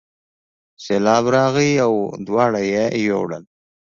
سیلاب راغی او دواړه یې یووړل.